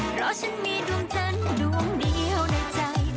เพราะฉันมีดุมจันตร์ดุมเดี่ยวในใจ